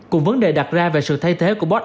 cùng vấn đề đặt ra về sự thay thế của bóng đá